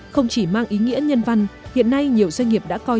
không chỉ mang ý nghĩa nhân văn hiện nay nhiều doanh nghiệp đã coi